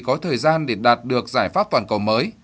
có thời gian để đạt được giải pháp toàn cầu mới